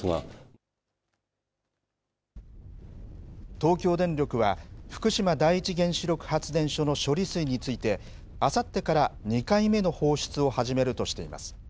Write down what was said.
東京電力は、福島第一原子力発電所の処理水について、あさってから２回目の放出を始めるとしています。